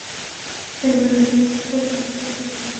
সে মারা গিয়েছিল বলেই তাকে ঘৃণা করো।